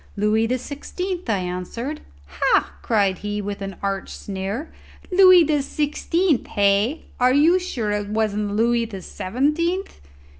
"Louis the Sixteenth," I answered. "Ha!" cried he, with an arch sneer; "Louis the Sixteenth, hey? Are you sure it wasn't Louis the Seventeenth?"